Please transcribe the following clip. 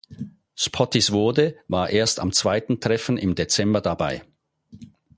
Spottiswoode war erst am zweiten Treffen im Dezember dabei.